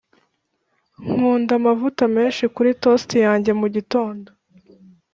nkunda amavuta menshi kuri toast yanjye mugitondo.